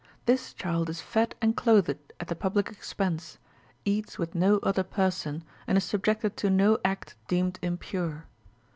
This child is fed and clothed at the public expense, eats with no other person, and is subjected to no act deemed impure.